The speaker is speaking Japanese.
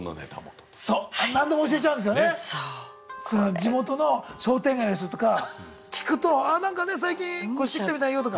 地元の商店街の人とか聞くと「あなんかね最近越してきたみたいよ」とか。